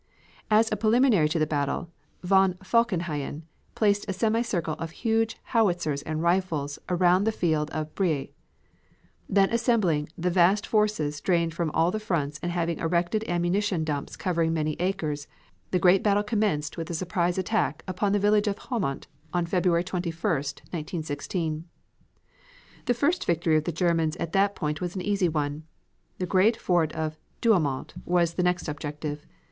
As a preliminary to the battle, von Falkenhayn placed a semicircle of huge howitzers and rifles around the field of Briey. Then assembling the vast forces drained from all the fronts and having erected ammunition dumps covering many acres, the great battle commenced with a surprise attack upon the village of Haumont on February 21, 1916. The first victory of the Germans at that point was an easy one. The great fort of Douaumont was the next objective.